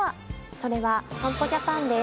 それは損保ジャパンです。